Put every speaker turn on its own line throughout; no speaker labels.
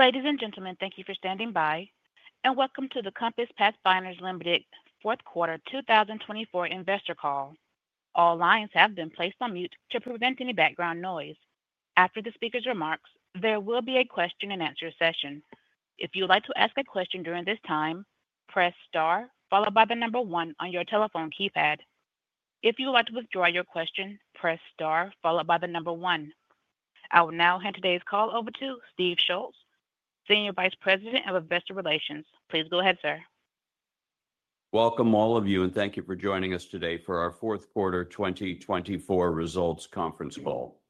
Ladies and gentlemen, thank you for standing by, and welcome to the COMPASS Pathways plc 4th Quarter 2024 Investor Call. All lines have been placed on mute to prevent any background noise. After the speaker's remarks, there will be a question-and-answer session. If you would like to ask a question during this time, press star followed by the number one on your telephone keypad. If you would like to withdraw your question, press star followed by the number one. I will now hand today's call over to Steve Schultz, Senior Vice President of Investor Relations. Please go ahead, sir.
Welcome all of you, and thank you for joining us today for our 4th Quarter 2024 Results Conference Call.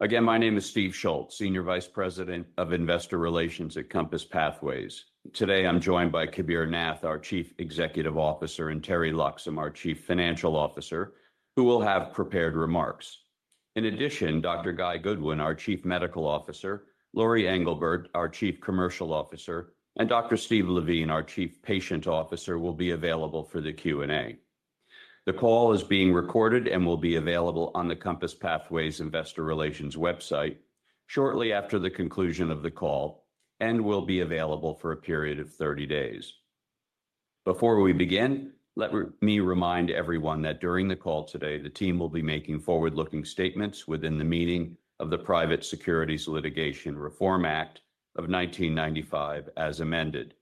Again, my name is Steve Schultz, Senior Vice President of Investor Relations at COMPASS Pathways. Today, I'm joined by Kabir Nath, our Chief Executive Officer, and Teri Loxam, our Chief Financial Officer, who will have prepared remarks. In addition, Dr. Guy Goodwin, our Chief Medical Officer, Lori Englebert, our Chief Commercial Officer, and Dr. Steve Levine, our Chief Patient Officer, will be available for the Q&A. The call is being recorded and will be available on the COMPASS Pathways Investor Relations website shortly after the conclusion of the call and will be available for a period of 30 days. Before we begin, let me remind everyone that during the call today, the team will be making forward-looking statements within the meaning of the Private Securities Litigation Reform Act of 1995 as amended.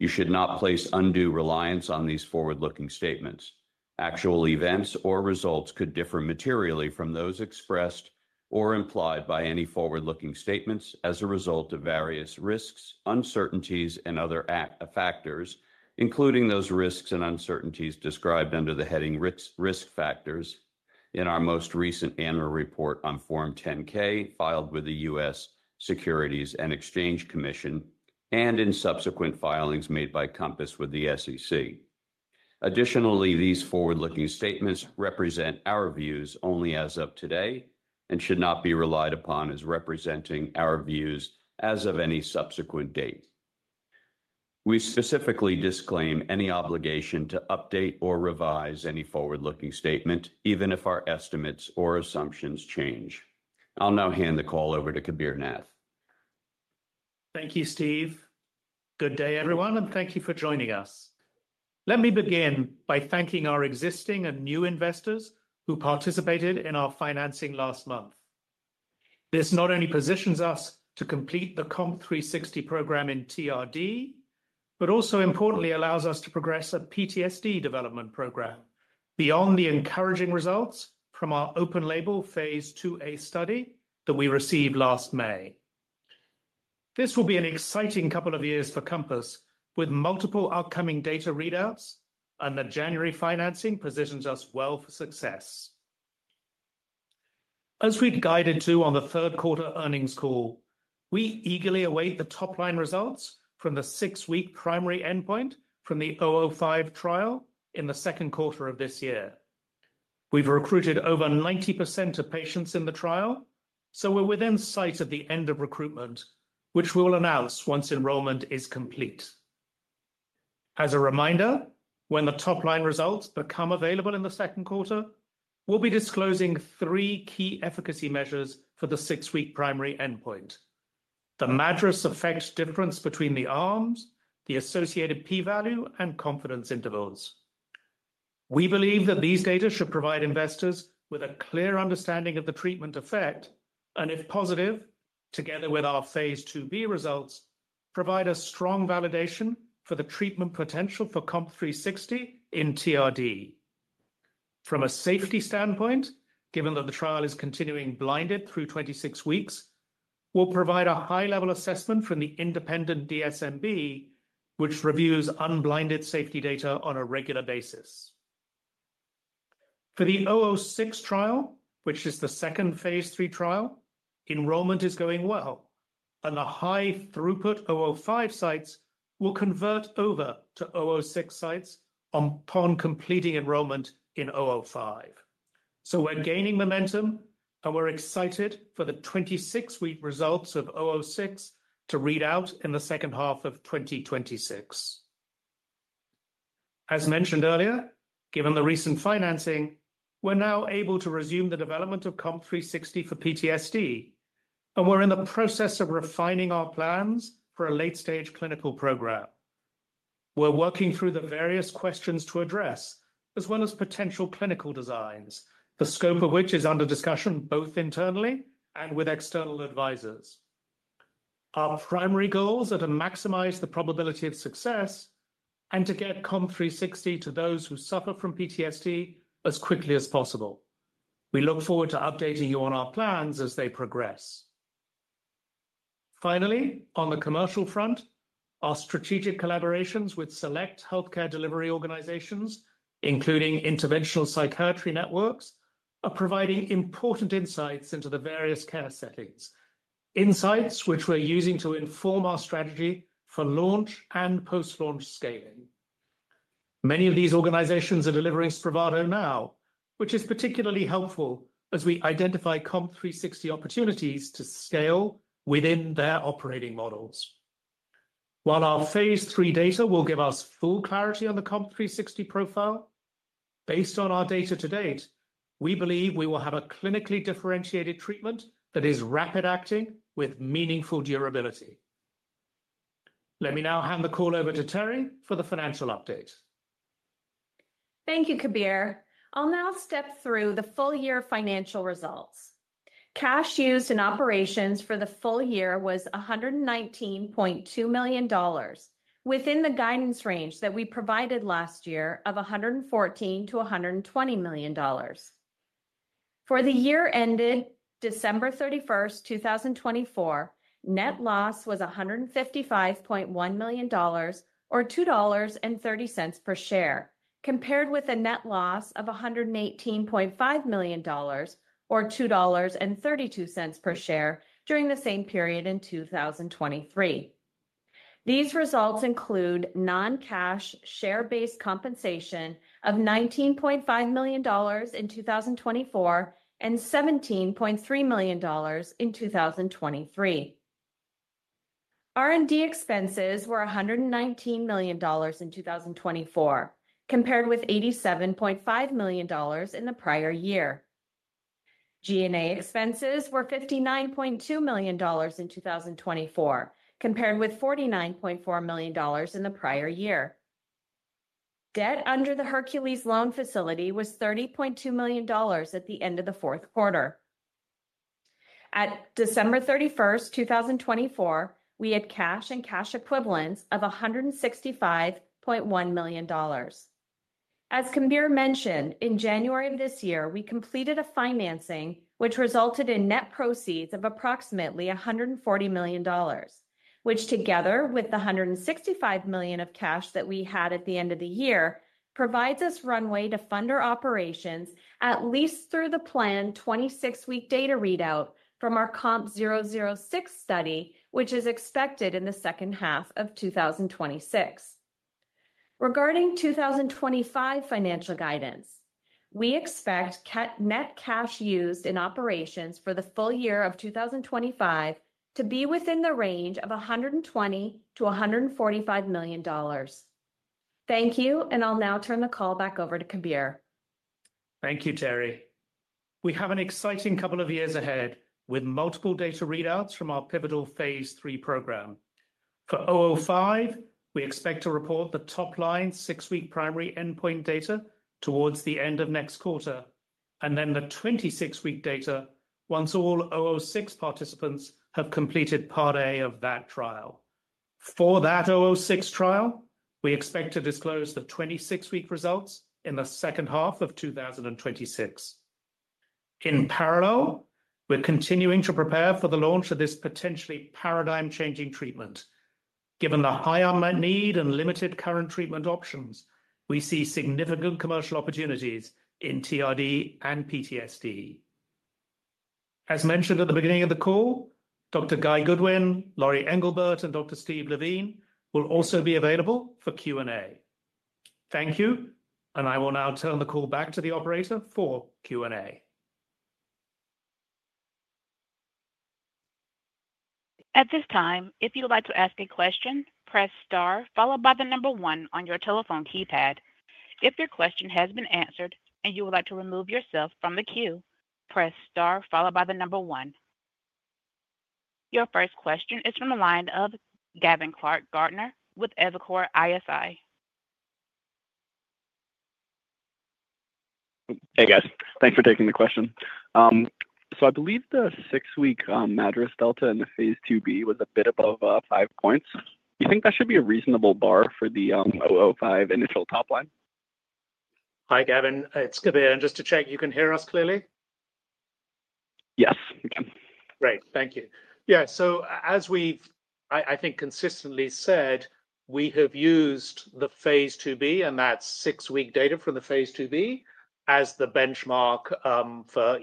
You should not place undue reliance on these forward-looking statements. Actual events or results could differ materially from those expressed or implied by any forward-looking statements as a result of various risks, uncertainties, and other factors, including those risks and uncertainties described under the heading "Risk Factors" in our most recent annual report on Form 10-K filed with the U.S. Securities and Exchange Commission and in subsequent filings made by COMPASS with the SEC. Additionally, these forward-looking statements represent our views only as of today and should not be relied upon as representing our views as of any subsequent date. We specifically disclaim any obligation to update or revise any forward-looking statement, even if our estimates or assumptions change. I'll now hand the call over to Kabir Nath.
Thank you, Steve. Good day, everyone, and thank you for joining us. Let me begin by thanking our existing and new investors who participated in our financing last month. This not only positions us to complete the COMP360 program in TRD, but also importantly allows us to progress a PTSD development program beyond the encouraging results from our open-label Phase 2a study that we received last May. This will be an exciting couple of years for COMPASS, with multiple upcoming data readouts, and the January financing positions us well for success. As we guided to on the 3rd Quarter earnings call, we eagerly await the top-line results from the six-week primary endpoint from the COMP 005 trial in the second quarter of this year. We've recruited over 90% of patients in the trial, so we're within sight of the end of recruitment, which we will announce once enrollment is complete. As a reminder, when the top-line results become available in the second quarter, we'll be disclosing three key efficacy measures for the six-week primary endpoint: the MADRS effect difference between the arms, the associated p-value, and confidence intervals. We believe that these data should provide investors with a clear understanding of the treatment effect, and if positive, together with our Phase 2b results, provide a strong validation for the treatment potential for COMP360 in TRD. From a safety standpoint, given that the trial is continuing blinded through 26 weeks, we'll provide a high-level assessment from the independent DSMB, which reviews unblinded safety data on a regular basis. For the 006 trial, which is the second Phase 3 trial, enrollment is going well, and the high-throughput 005 sites will convert over to 006 sites upon completing enrollment in 005. We're gaining momentum, and we're excited for the 26-week results of COMP 006 to read out in the second half of 2026. As mentioned earlier, given the recent financing, we're now able to resume the development of COMP360 for PTSD, and we're in the process of refining our plans for a late-stage clinical program. We're working through the various questions to address, as well as potential clinical designs, the scope of which is under discussion both internally and with external advisors. Our primary goals are to maximize the probability of success and to get COMP360 to those who suffer from PTSD as quickly as possible. We look forward to updating you on our plans as they progress. Finally, on the commercial front, our strategic collaborations with select healthcare delivery organizations, including interventional psychiatry networks, are providing important insights into the various care settings, insights which we're using to inform our strategy for launch and post-launch scaling. Many of these organizations are delivering Spravato now, which is particularly helpful as we identify COMP360 opportunities to scale within their operating models. While our Phase 3 data will give us full clarity on the COMP360 profile, based on our data to date, we believe we will have a clinically differentiated treatment that is rapid-acting with meaningful durability. Let me now hand the call over to Teri for the financial update.
Thank you, Kabir. I'll now step through the full-year financial results. Cash used in operations for the full year was $119.2 million within the guidance range that we provided last year of $114-$120 million. For the year ended December 31, 2024, net loss was $155.1 million or $2.30 per share, compared with a net loss of $118.5 million or $2.32 per share during the same period in 2023. These results include non-cash share-based compensation of $19.5 million in 2024 and $17.3 million in 2023. R&D expenses were $119 million in 2024, compared with $87.5 million in the prior year. G&A expenses were $59.2 million in 2024, compared with $49.4 million in the prior year. Debt under the Hercules loan facility was $30.2 million at the end of the 4th quarter. At December 31, 2024, we had cash and cash equivalents of $165.1 million. As Kabir mentioned, in January of this year, we completed a financing which resulted in net proceeds of approximately $140 million, which together with the $165 million of cash that we had at the end of the year provides us runway to fund our operations at least through the planned 26-week data readout from our COMP 006 study, which is expected in the second half of 2026. Regarding 2025 financial guidance, we expect net cash used in operations for the full year of 2025 to be within the range of $120-$145 million. Thank you, and I'll now turn the call back over to Kabir.
Thank you, Teri. We have an exciting couple of years ahead with multiple data readouts from our pivotal phase 3 program. For 005, we expect to report the top-line six-week primary endpoint data towards the end of next quarter, and then the 26-week data once all 006 participants have completed Part A of that trial. For that 006 trial, we expect to disclose the 26-week results in the second half of 2026. In parallel, we're continuing to prepare for the launch of this potentially paradigm-changing treatment. Given the high unmet need and limited current treatment options, we see significant commercial opportunities in TRD and PTSD. As mentioned at the beginning of the call, Dr. Guy Goodwin, Lori Englebert, and Dr. Steve Levine will also be available for Q&A. Thank you, and I will now turn the call back to the operator for Q&A.
At this time, if you'd like to ask a question, press star followed by the number one on your telephone keypad. If your question has been answered and you would like to remove yourself from the queue, press star followed by the number one. Your first question is from the line of Gavin Clark-Gartner with Evercore ISI. Hey, guys. Thanks for taking the question. So I believe the six-week MADRS delta in the phase 2b was a bit above five points. Do you think that should be a reasonable bar for the 005 initial top line?
Hi, Gavin. It's Kabir. And just to check, you can hear us clearly? Yes, we can. Great. Thank you. Yeah. So as we've, I think, consistently said, we have used the phase 2b, and that's six-week data from the phase 2b as the benchmark for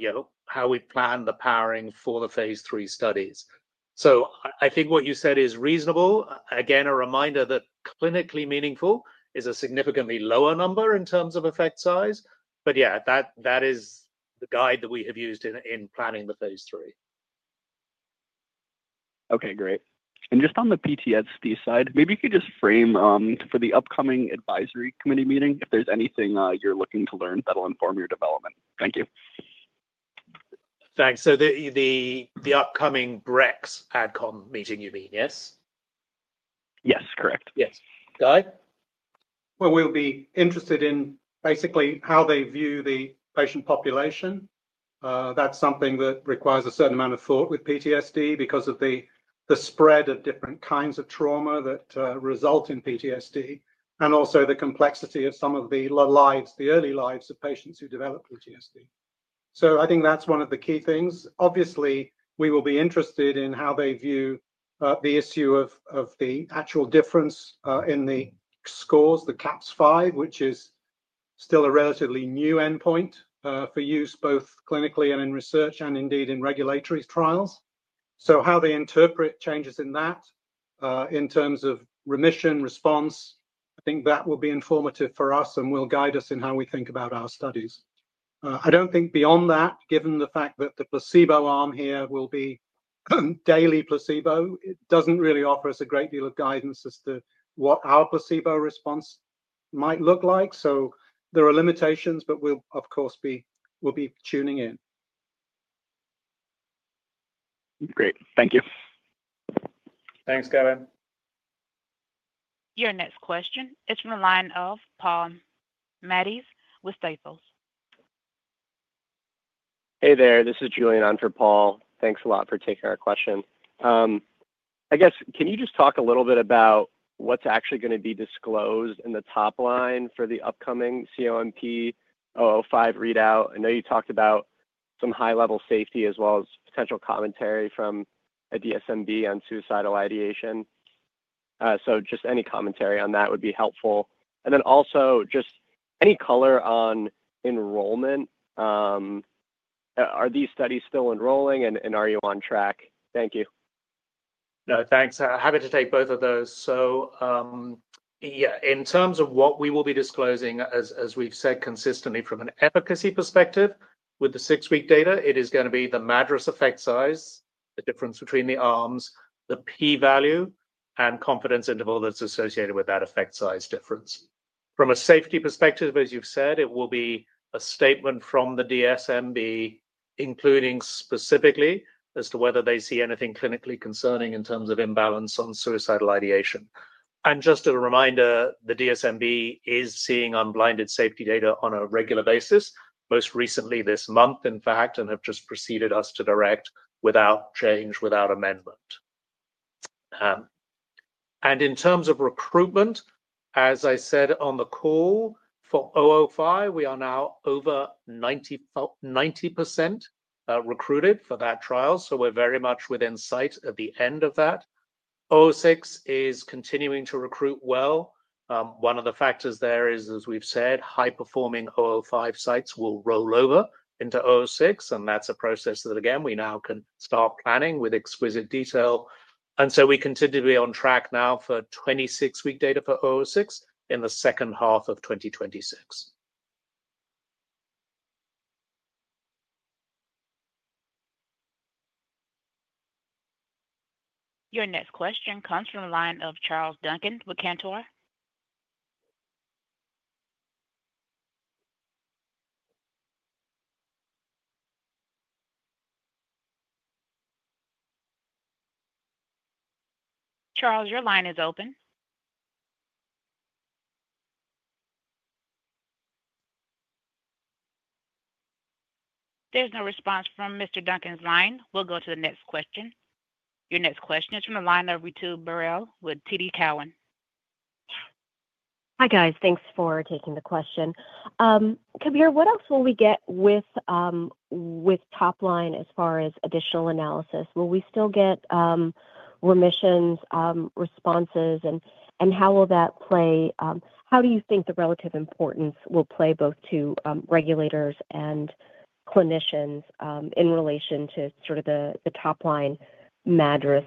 how we plan the powering for the phase 3 studies. So I think what you said is reasonable. Again, a reminder that clinically meaningful is a significantly lower number in terms of effect size. But yeah, that is the guide that we have used in planning the phase 3. Okay, great. And just on the PTSD side, maybe you could just frame for the upcoming advisory committee meeting if there's anything you're looking to learn that'll inform your development. Thank you. Thanks. So the upcoming BREX adcom meeting, you mean, yes? Yes, correct. Yes. Guy?
We'll be interested in basically how they view the patient population. That's something that requires a certain amount of thought with PTSD because of the spread of different kinds of trauma that result in PTSD and also the complexity of some of the early lives of patients who develop PTSD. So I think that's one of the key things. Obviously, we will be interested in how they view the issue of the actual difference in the scores, the CAPS-5, which is still a relatively new endpoint for use both clinically and in research and indeed in regulatory trials. So how they interpret changes in that in terms of remission response, I think that will be informative for us and will guide us in how we think about our studies. I don't think beyond that, given the fact that the placebo arm here will be daily placebo, it doesn't really offer us a great deal of guidance as to what our placebo response might look like. So there are limitations, but we'll, of course, be tuning in. Great. Thank you.
Thanks, Gavin.
Your next question is from the line of Paul Matteis with Stifel. Hey there, this is Julian on for Paul. Thanks a lot for taking our question. I guess, can you just talk a little bit about what's actually going to be disclosed in the top line for the upcoming COMP 005 readout? I know you talked about some high-level safety as well as potential commentary from a DSMB on suicidal ideation, so just any commentary on that would be helpful, and then also just any color on enrollment. Are these studies still enrolling, and are you on track? Thank you.
No, thanks. Happy to take both of those. So yeah, in terms of what we will be disclosing, as we've said consistently from an efficacy perspective with the six-week data, it is going to be the MADRS effect size, the difference between the arms, the p-value, and confidence interval that's associated with that effect size difference. From a safety perspective, as you've said, it will be a statement from the DSMB, including specifically as to whether they see anything clinically concerning in terms of imbalance on suicidal ideation. And just as a reminder, the DSMB is seeing unblinded safety data on a regular basis, most recently this month, in fact, and have just proceeded to direct without change, without amendment. And in terms of recruitment, as I said on the call for 005, we are now over 90% recruited for that trial. So we're very much within sight at the end of that. 006 is continuing to recruit well. One of the factors there is, as we've said, high-performing 005 sites will roll over into 006, and that's a process that, again, we now can start planning with exquisite detail. And so we continue to be on track now for 26-week data for 006 in the second half of 2026.
Your next question comes from the line of Charles Duncan with Cantor. Charles, your line is open. There's no response from Mr. Duncan's line. We'll go to the next question. Your next question is from the line of Ritu Baral with TD Cowen. Hi, guys. Thanks for taking the question. Kabir, what else will we get with top line as far as additional analysis? Will we still get remission responses, and how will that play? How do you think the relative importance will play both to regulators and clinicians in relation to sort of the top line MADRS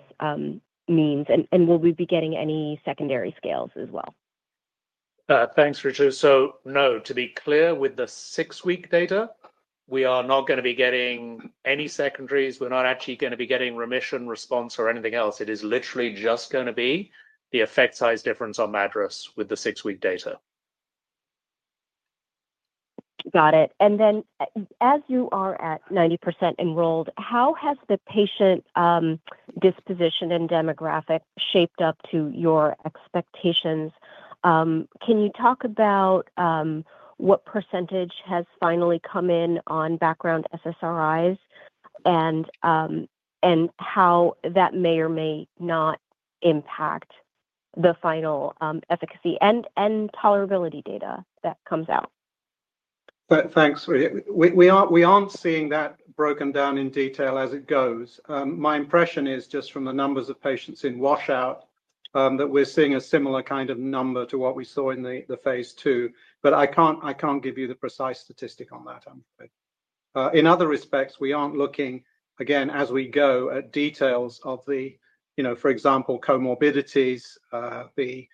means? And will we be getting any secondary scales as well?
Thanks, Ritu, so no, to be clear, with the six-week data, we are not going to be getting any secondaries. We're not actually going to be getting remission response or anything else. It is literally just going to be the effect size difference on MADRS with the six-week data. Got it. And then as you are at 90% enrolled, how has the patient disposition and demographic shaped up to your expectations? Can you talk about what percentage has finally come in on background SSRIs and how that may or may not impact the final efficacy and tolerability data that comes out?
Thanks, Ritu. We aren't seeing that broken down in detail as it goes. My impression is just from the numbers of patients in washout that we're seeing a similar kind of number to what we saw in the Phase 2, but I can't give you the precise statistic on that. In other respects, we aren't looking, again, as we go, at details of the, for example, comorbidities, the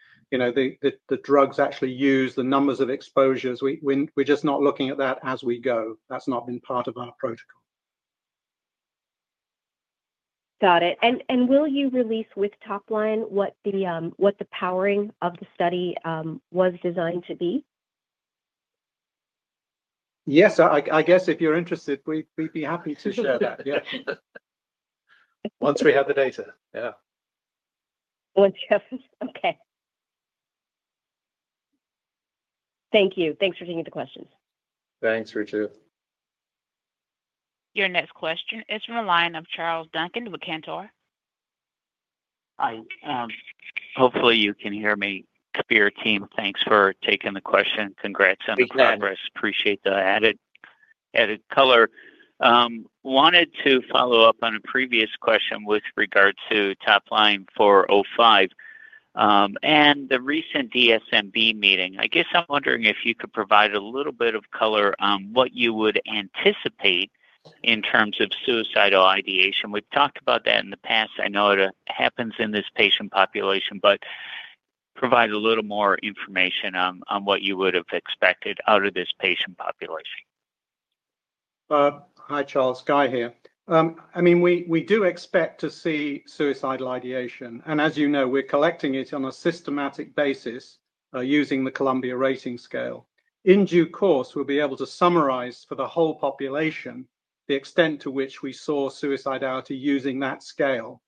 drugs actually used, the numbers of exposures. We're just not looking at that as we go. That's not been part of our protocol. Got it. And will you release with top line what the powering of the study was designed to be? Yes, I guess if you're interested, we'd be happy to share that, yeah, once we have the data, yeah. Once you have it. Okay. Thank you. Thanks for taking the question. Thanks, Ritu.
Your next question is from the line of Charles Duncan with Cantor. Hi. Hopefully, you can hear me. Kabir, team, thanks for taking the question. Congrats on the progress. Appreciate the added color. Wanted to follow up on a previous question with regard to top line for 005 and the recent DSMB meeting. I guess I'm wondering if you could provide a little bit of color on what you would anticipate in terms of suicidal ideation. We've talked about that in the past. I know it happens in this patient population, but provide a little more information on what you would have expected out of this patient population.
Hi, Charles. Guy here. I mean, we do expect to see suicidal ideation. And as you know, we're collecting it on a systematic basis using the C-SSRS. In due course, we'll be able to summarize for the whole population the extent to which we saw suicidality using that scale.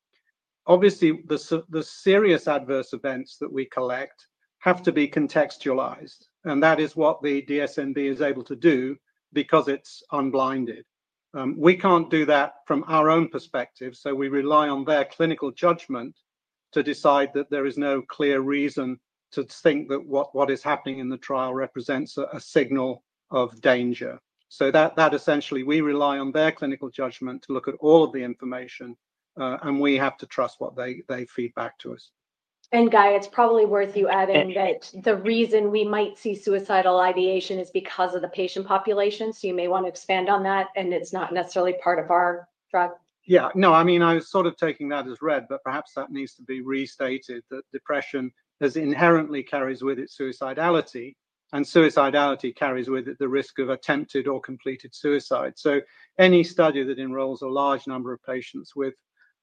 Obviously, the serious adverse events that we collect have to be contextualized. And that is what the DSMB is able to do because it's unblinded. We can't do that from our own perspective. So we rely on their clinical judgment to decide that there is no clear reason to think that what is happening in the trial represents a signal of danger. So that essentially, we rely on their clinical judgment to look at all of the information, and we have to trust what they feed back to us. And Guy, it's probably worth you adding that the reason we might see suicidal ideation is because of the patient population. So you may want to expand on that, and it's not necessarily part of our drug. Yeah. No, I mean, I was sort of taking that as read, but perhaps that needs to be restated that depression inherently carries with it suicidality, and suicidality carries with it the risk of attempted or completed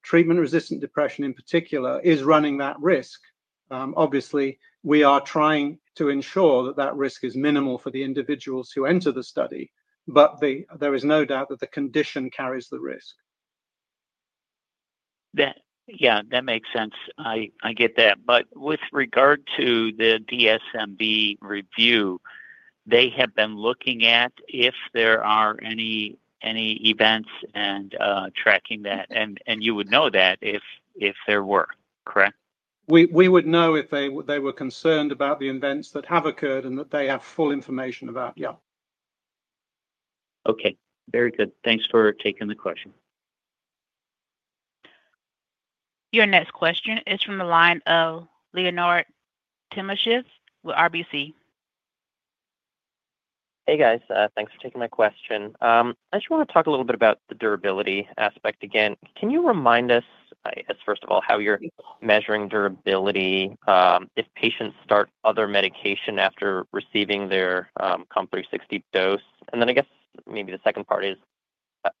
suicide. So any study that enrolls a large number of patients with treatment-resistant depression in particular is running that risk. Obviously, we are trying to ensure that that risk is minimal for the individuals who enter the study, but there is no doubt that the condition carries the risk. Yeah, that makes sense. I get that. But with regard to the DSMB review, they have been looking at if there are any events and tracking that. And you would know that if there were, correct? We would know if they were concerned about the events that have occurred and that they have full information about, yeah. Okay. Very good. Thanks for taking the question.
Your next question is from the line of Leonid Timashev with RBC. Hey, guys. Thanks for taking my question. I just want to talk a little bit about the durability aspect again. Can you remind us, I guess, first of all, how you're measuring durability if patients start other medication after receiving their COMP360 dose? And then I guess maybe the second part is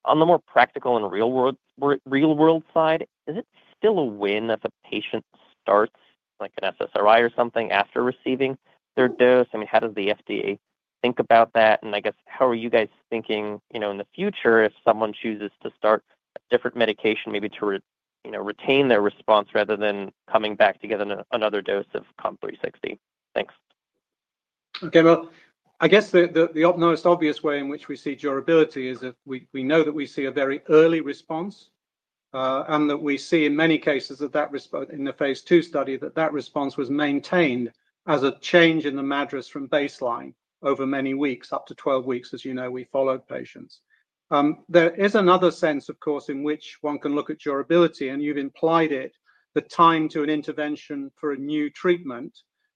on the more practical and real-world side, is it still a win if a patient starts an SSRI or something after receiving their dose? I mean, how does the FDA think about that? And I guess how are you guys thinking in the future if someone chooses to start a different medication, maybe to retain their response rather than coming back to get another dose of COMP360? Thanks.
Okay, well, I guess the most obvious way in which we see durability is that we know that we see a very early response and that we see in many cases in the phase 2 study that that response was maintained as a change in the MADRS from baseline over many weeks, up to 12 weeks, as you know, we followed patients. There is another sense, of course, in which one can look at durability, and you've implied it, the time to an intervention for a new treatment,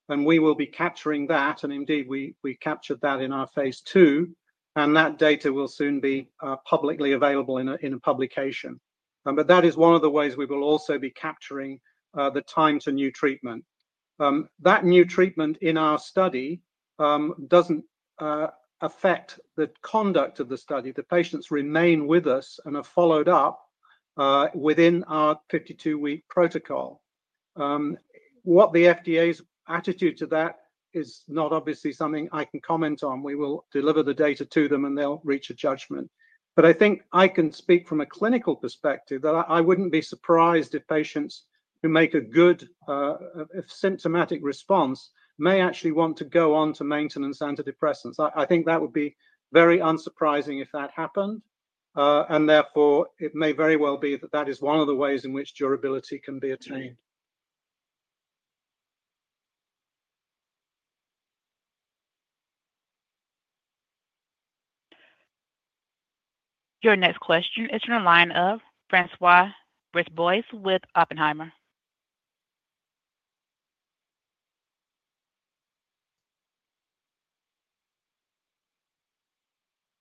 and we will be capturing that. And indeed, we captured that in our phase 2, and that data will soon be publicly available in a publication. But that is one of the ways we will also be capturing the time to new treatment. That new treatment in our study doesn't affect the conduct of the study. The patients remain with us and are followed up within our 52-week protocol. What the FDA's attitude to that is not obviously something I can comment on. We will deliver the data to them, and they'll reach a judgment. But I think I can speak from a clinical perspective that I wouldn't be surprised if patients who make a good symptomatic response may actually want to go on to maintenance antidepressants. I think that would be very unsurprising if that happened. And therefore, it may very well be that that is one of the ways in which durability can be attained.
Your next question is from the line of François Brisebois with Oppenheimer.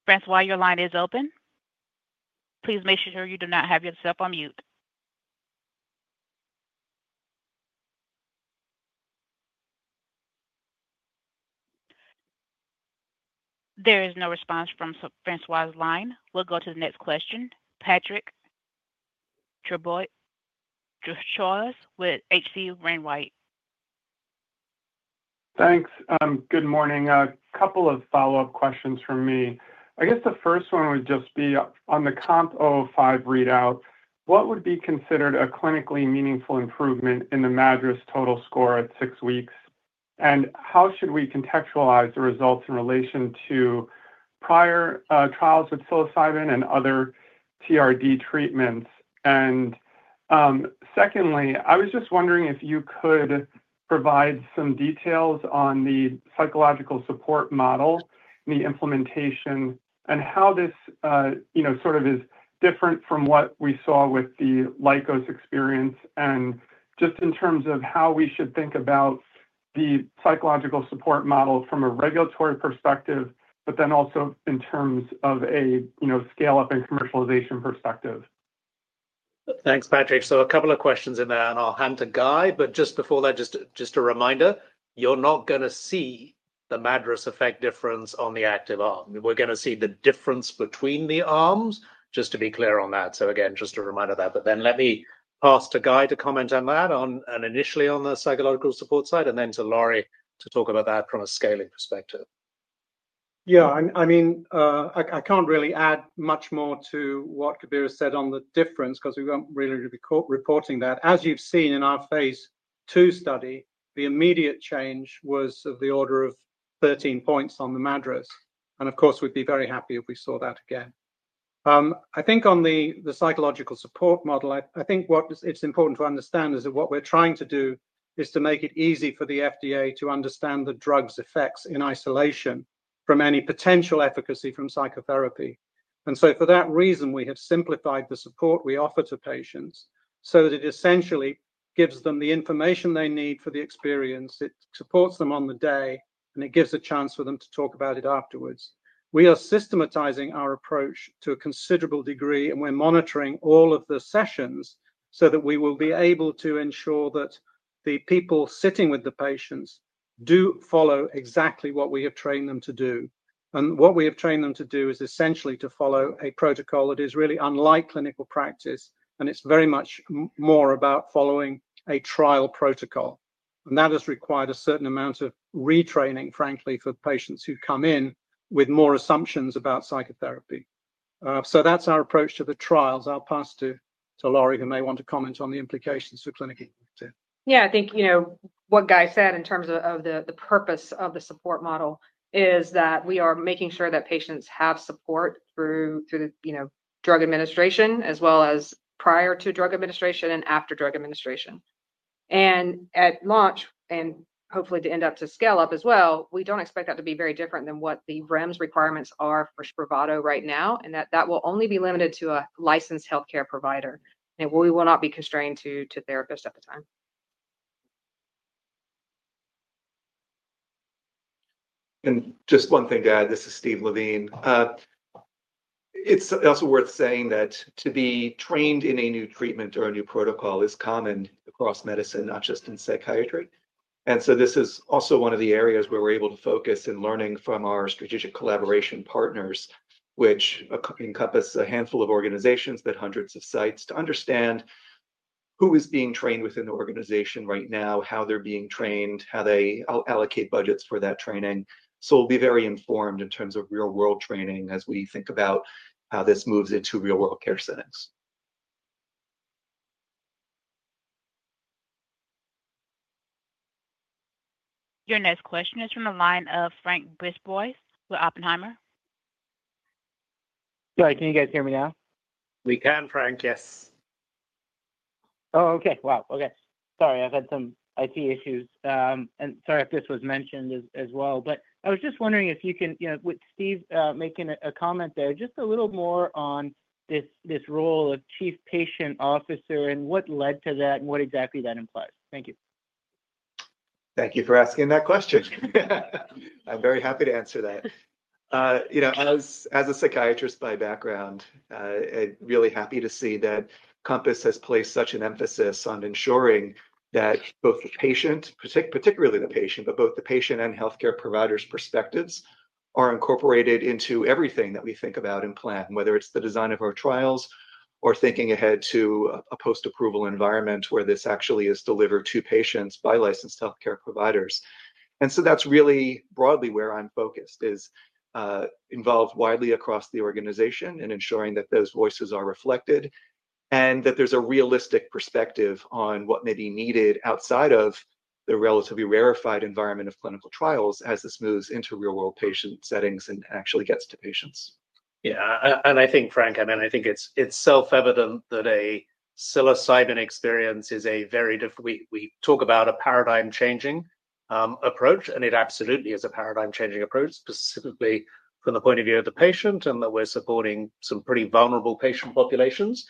François, your line is open. Please make sure you do not have yourself on mute. There is no response from François' line. We'll go to the next question. Patrick Trucchio with H.C. Wainwright.
Thanks. Good morning. A couple of follow-up questions from me. I guess the first one would just be on the COMP 005 readout, what would be considered a clinically meaningful improvement in the MADRS total score at six weeks? And how should we contextualize the results in relation to prior trials with psilocybin and other TRD treatments? And secondly, I was just wondering if you could provide some details on the psychological support model and the implementation and how this sort of is different from what we saw with the Lykos experience and just in terms of how we should think about the psychological support model from a regulatory perspective, but then also in terms of a scale-up and commercialization perspective.
Thanks, Patrick. So a couple of questions in there, and I'll hand to Guy. But just before that, just a reminder, you're not going to see the MADRS effect difference on the active arm. We're going to see the difference between the arms, just to be clear on that. So again, just a reminder of that. But then let me pass to Guy to comment on that, initially on the psychological support side, and then to Lori to talk about that from a scaling perspective.
Yeah. I mean, I can't really add much more to what Kabir said on the difference because we weren't really reporting that. As you've seen in our phase 2 study, the immediate change was of the order of 13 points on the MADRS. And of course, we'd be very happy if we saw that again. I think on the psychological support model, I think what it's important to understand is that what we're trying to do is to make it easy for the FDA to understand the drug's effects in isolation from any potential efficacy from psychotherapy. And so for that reason, we have simplified the support we offer to patients so that it essentially gives them the information they need for the experience. It supports them on the day, and it gives a chance for them to talk about it afterwards. We are systematizing our approach to a considerable degree, and we're monitoring all of the sessions so that we will be able to ensure that the people sitting with the patients do follow exactly what we have trained them to do, and what we have trained them to do is essentially to follow a protocol that is really unlike clinical practice, and it's very much more about following a trial protocol, and that has required a certain amount of retraining, frankly, for patients who come in with more assumptions about psychotherapy, so that's our approach to the trials. I'll pass to Lori, who may want to comment on the implications for clinical practice.
Yeah. I think what Guy said in terms of the purpose of the support model is that we are making sure that patients have support through the drug administration as well as prior to drug administration and after drug administration, and at launch and hopefully to end up to scale up as well, we don't expect that to be very different than what the REMS requirements are for Spravato right now, and that that will only be limited to a licensed healthcare provider, and we will not be constrained to therapists at the time.
And just one thing, Guy. This is Steve Levine. It's also worth saying that to be trained in a new treatment or a new protocol is common across medicine, not just in psychiatry. And so this is also one of the areas where we're able to focus in learning from our strategic collaboration partners, which encompass a handful of organizations, but hundreds of sites to understand who is being trained within the organization right now, how they're being trained, how they allocate budgets for that training. So we'll be very informed in terms of real-world training as we think about how this moves into real-world care settings.
Your next question is from the line of François Brisebois with Oppenheimer. Guy, can you guys hear me now?
We can, Frank. Yes. Oh, okay. Wow. Okay. Sorry, I've had some IT issues. And sorry if this was mentioned as well. But I was just wondering if you can, with Steve making a comment there, just a little more on this role of chief patient officer and what led to that and what exactly that implies? Thank you. Thank you for asking that question. I'm very happy to answer that. As a psychiatrist by background, I'm really happy to see that COMPASS has placed such an emphasis on ensuring that both the patient, particularly the patient, but both the patient and healthcare providers' perspectives are incorporated into everything that we think about and plan, whether it's the design of our trials or thinking ahead to a post-approval environment where this actually is delivered to patients by licensed healthcare providers, and so that's really broadly where I'm focused is involved widely across the organization in ensuring that those voices are reflected and that there's a realistic perspective on what may be needed outside of the relatively rarefied environment of clinical trials as this moves into real-world patient settings and actually gets to patients. Yeah, and I think, Frank, I mean, I think it's self-evident that a psilocybin experience is a very different, we talk about a paradigm-changing approach, and it absolutely is a paradigm-changing approach, specifically from the point of view of the patient, and that we're supporting some pretty vulnerable patient populations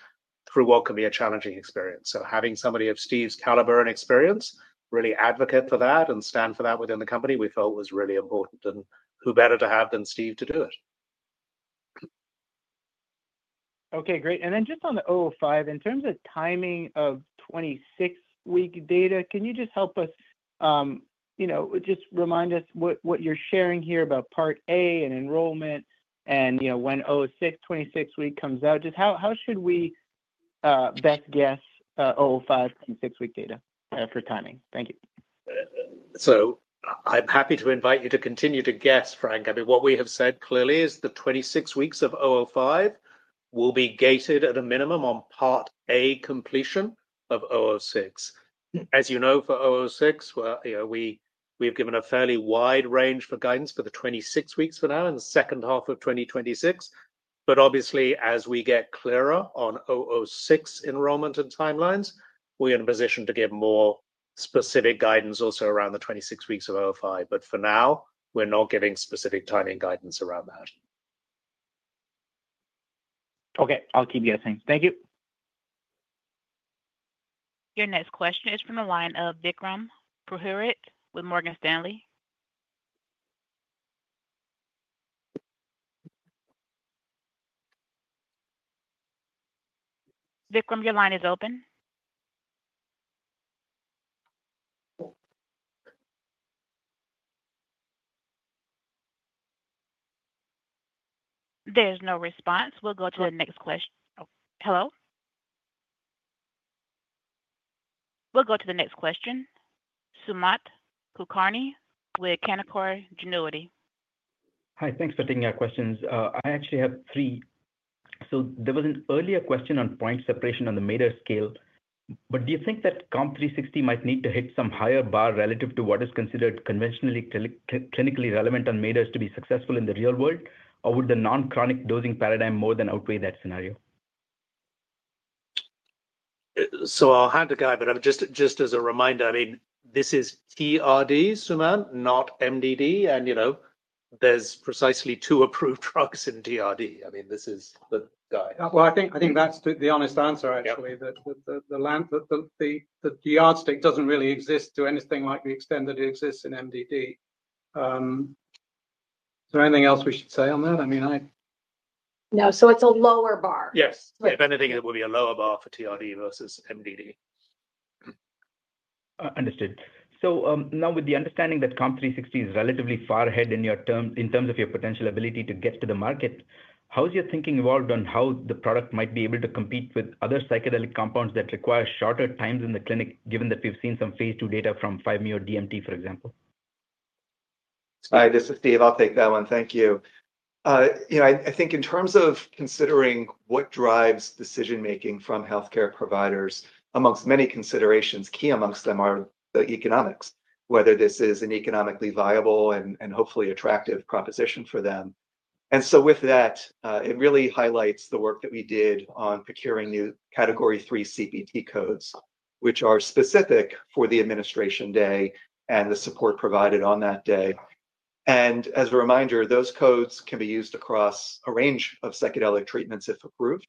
through what can be a challenging experience, so having somebody of Steve's caliber and experience really advocate for that and stand for that within the company, we felt was really important, and who better to have than Steve to do it? Okay. Great. And then just on the 05, in terms of timing of 26-week data, can you just help us just remind us what you're sharing here about Part A and enrollment and when 06, 26-week comes out? Just how should we best guess 05, 26-week data for timing? Thank you. So I'm happy to invite you to continue to guess, Frank. I mean, what we have said clearly is the 26 weeks of 05 will be gated at a minimum on Part A completion of 06. As you know, for 06, we've given a fairly wide range for guidance for the 26 weeks for now and the second half of 2026. But obviously, as we get clearer on 06 enrollment and timelines, we're in a position to give more specific guidance also around the 26 weeks of 05. But for now, we're not giving specific timing guidance around that. Okay. I'll keep guessing. Thank you.
Your next question is from the line of Vikram Purohit with Morgan Stanley. Vikram, your line is open. There's no response. We'll go to the next question. Hello? We'll go to the next question. Sumant Kulkarni with Canaccord Genuity. Hi. Thanks for taking our questions. I actually have three. So there was an earlier question on point separation on the MADRS scale. But do you think that COMP360 might need to hit some higher bar relative to what is considered conventionally clinically relevant on MADRS to be successful in the real world, or would the non-chronic dosing paradigm more than outweigh that scenario?
So I'll hand to Guy. But just as a reminder, I mean, this is TRD, Sumant, not MDD. And there's precisely two approved drugs in TRD. I mean, this is the guy.
I think that's the honest answer, actually, that the diagnostic doesn't really exist to anything like the extent that it exists in MDD. Is there anything else we should say on that? I mean.
No. So it's a lower bar.
Yes. If anything, it would be a lower bar for TRD versus MDD. Understood. So now, with the understanding that COMP360 is relatively far ahead in terms of your potential ability to get to the market, how has your thinking evolved on how the product might be able to compete with other psychedelic compounds that require shorter times in the clinic, given that we've seen some phase two data from 5-MeO-DMT, for example? Hi, this is Steve. I'll take that one. Thank you. I think in terms of considering what drives decision-making from healthcare providers, among many considerations, key among them are the economics, whether this is an economically viable and hopefully attractive proposition for them. And so with that, it really highlights the work that we did on procuring new Category III CPT codes, which are specific for the administration day and the support provided on that day. And as a reminder, those codes can be used across a range of psychedelic treatments if approved,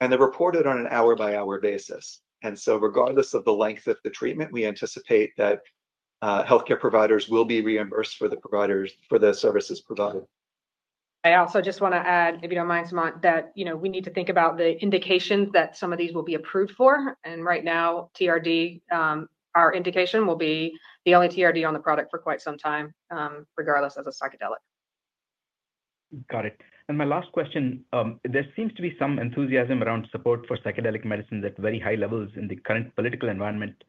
and they're reported on an hour-by-hour basis. And so regardless of the length of the treatment, we anticipate that healthcare providers will be reimbursed for the services provided.
I also just want to add, if you don't mind, Sumant, that we need to think about the indications that some of these will be approved for. And right now, TRD, our indication will be the only TRD on the product for quite some time, regardless of the psychedelic. Got it. And my last question, there seems to be some enthusiasm around support for psychedelic medicine at very high levels in the current political environment.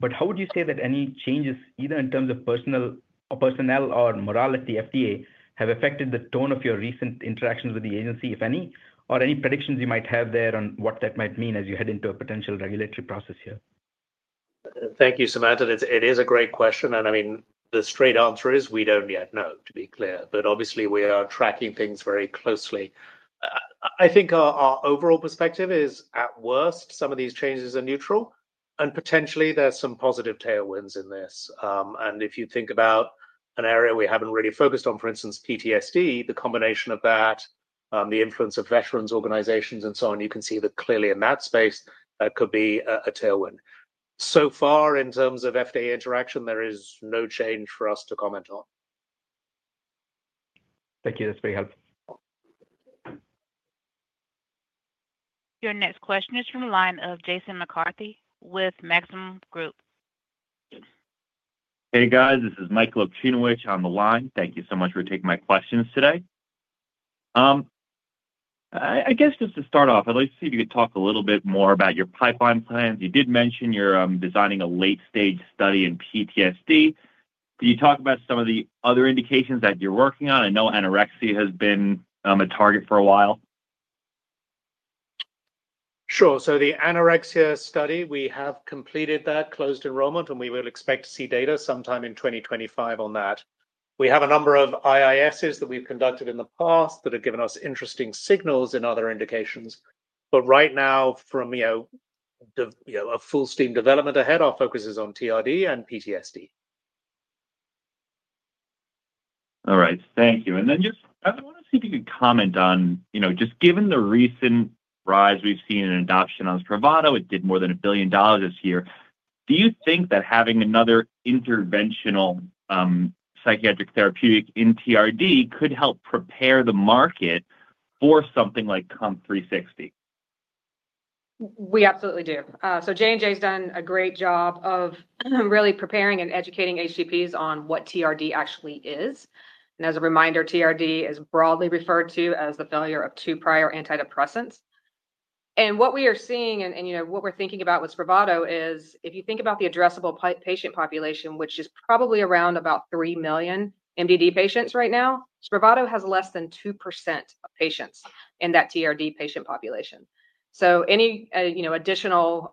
But how would you say that any changes, either in terms of personnel or morale at the FDA, have affected the tone of your recent interactions with the agency, if any, or any predictions you might have there on what that might mean as you head into a potential regulatory process here?
Thank you, Samantha. It is a great question, and I mean, the straight answer is we don't yet know, to be clear, but obviously, we are tracking things very closely. I think our overall perspective is, at worst, some of these changes are neutral, and potentially, there's some positive tailwinds in this, and if you think about an area we haven't really focused on, for instance, PTSD, the combination of that, the influence of veterans organizations, and so on, you can see that clearly in that space, that could be a tailwind, so far, in terms of FDA interaction, there is no change for us to comment on. Thank you. That's very helpful.
Your next question is from the line of Jason McCarthy with Maxim Group.
Hey, guys. This is Michael Ovchinovich on the line. Thank you so much for taking my questions today. I guess just to start off, I'd like to see if you could talk a little bit more about your pipeline plans. You did mention you're designing a late-stage study in PTSD. Can you talk about some of the other indications that you're working on? I know anorexia has been a target for a while.
Sure. So the anorexia study, we have completed that. Closed enrollment, and we will expect to see data sometime in 2025 on that. We have a number of IISs that we've conducted in the past that have given us interesting signals and other indications. But right now, from a full-steam development ahead, our focus is on TRD and PTSD.
All right. Thank you. And then just I want to see if you can comment on just given the recent rise we've seen in adoption on Spravato, it did more than $1 billion this year. Do you think that having another interventional psychiatric therapeutic in TRD could help prepare the market for something like COMP360?
We absolutely do. So J&J has done a great job of really preparing and educating HCPs on what TRD actually is. And as a reminder, TRD is broadly referred to as the failure of two prior antidepressants. And what we are seeing and what we're thinking about with Spravato is if you think about the addressable patient population, which is probably around about three million MDD patients right now, Spravato has less than 2% of patients in that TRD patient population. So any additional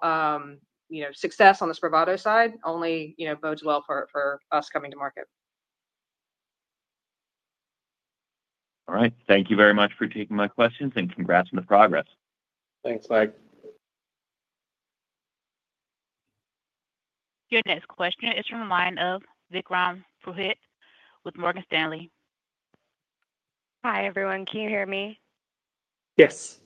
success on the Spravato side only bodes well for us coming to market.
All right. Thank you very much for taking my questions and congrats on the progress. Thanks, Mike.
Your next question is from the line of Vikram Purohit with Morgan Stanley. Hi, everyone. Can you hear me?
Yes.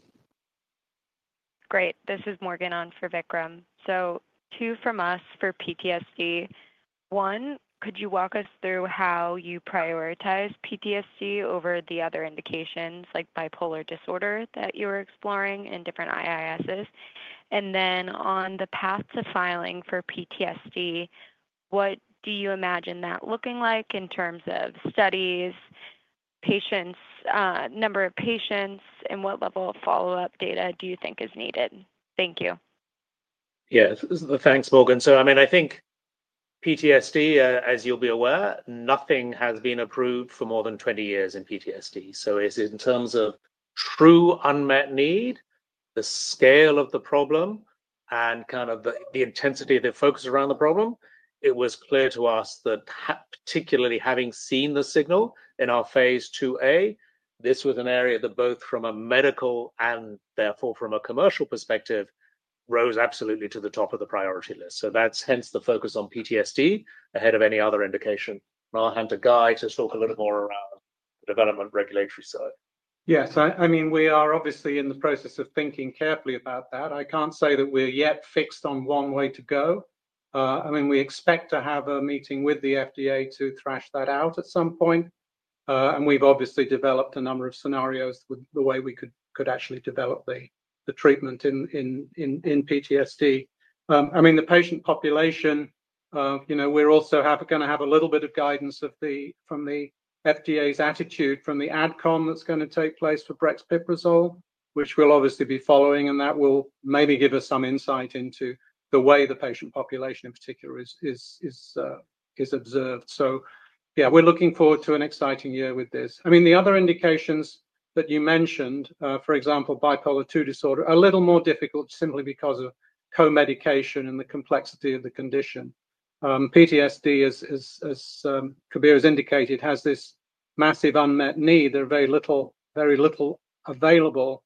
Great. This is Morgan on for Vikram. So two from us for PTSD. One, could you walk us through how you prioritize PTSD over the other indications like bipolar disorder that you're exploring in different IISs? And then on the path to filing for PTSD, what do you imagine that looking like in terms of studies, number of patients, and what level of follow-up data do you think is needed? Thank you. Yeah. Thanks, Morgan. So I mean, I think PTSD, as you'll be aware, nothing has been approved for more than 20 years in PTSD. So in terms of true unmet need, the scale of the problem, and kind of the intensity of the focus around the problem, it was clear to us that particularly having seen the signal in our phase 2a, this was an area that both from a medical and therefore from a commercial perspective rose absolutely to the top of the priority list. So that's hence the focus on PTSD ahead of any other indication. And I'll hand to Guy to talk a little more around the development regulatory side.
Yeah. So I mean, we are obviously in the process of thinking carefully about that. I can't say that we're yet fixed on one way to go. I mean, we expect to have a meeting with the FDA to thrash that out at some point. And we've obviously developed a number of scenarios with the way we could actually develop the treatment in PTSD. I mean, the patient population, we're also going to have a little bit of guidance from the FDA's attitude from the adcom that's going to take place for brexpiprazole, which we'll obviously be following, and that will maybe give us some insight into the way the patient population in particular is observed. So yeah, we're looking forward to an exciting year with this. I mean, the other indications that you mentioned, for example, bipolar II disorder, a little more difficult simply because of co-medication and the complexity of the condition. PTSD, as Kabir has indicated, has this massive unmet need. There are very little available,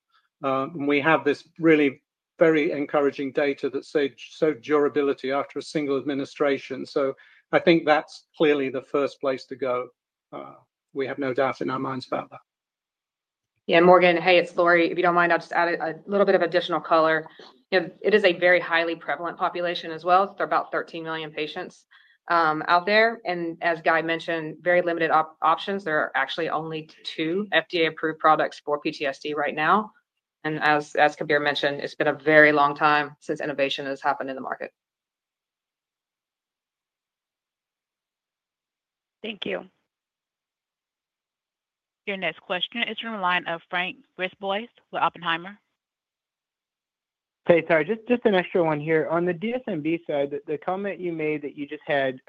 and we have this really very encouraging data that showed durability after a single administration. I think that's clearly the first place to go. We have no doubt in our minds about that.
Yeah. Morgan, hey, it's Lori. If you don't mind, I'll just add a little bit of additional color. It is a very highly prevalent population as well. There are about 13 million patients out there. And as Guy mentioned, very limited options. There are actually only two FDA-approved products for PTSD right now. And as Kabir mentioned, it's been a very long time since innovation has happened in the market.
Thank you. Your next question is from the line of François Brisebois with Oppenheimer.
Hey, sorry. Just an extra one here. On the DSMB side, the comment you made that you just had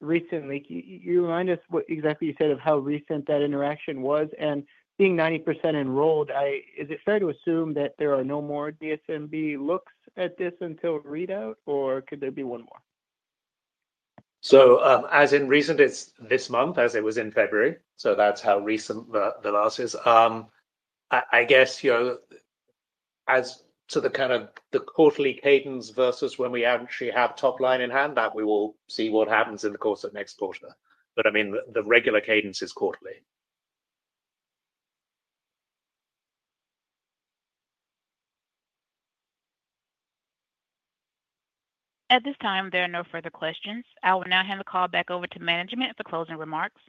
recently, can you remind us what exactly you said of how recent that interaction was? And being 90% enrolled, is it fair to assume that there are no more DSMB looks at this until readout, or could there be one more? So as in recent, it's this month as it was in February. So that's how recent the last is. I guess as to the kind of the quarterly cadence versus when we actually have top line in hand, that we will see what happens in the course of next quarter. But I mean, the regular cadence is quarterly.
At this time, there are no further questions. I will now hand the call back over to management for closing remarks.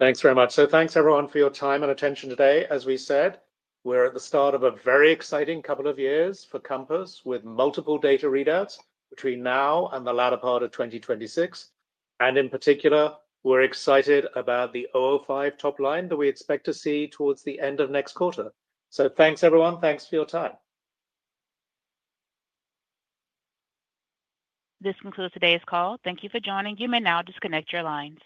Thanks very much. So thanks, everyone, for your time and attention today. As we said, we're at the start of a very exciting couple of years for Compass with multiple data readouts between now and the latter part of 2026. And in particular, we're excited about the 05 top line that we expect to see towards the end of next quarter. So thanks, everyone. Thanks for your time.
This concludes today's call. Thank you for joining. You may now disconnect your lines.